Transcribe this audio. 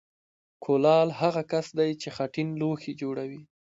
کولال هغه کس دی چې خټین لوښي جوړوي